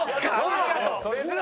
ありがとう。